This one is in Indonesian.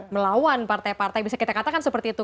melawan partai partai bisa kita katakan seperti itu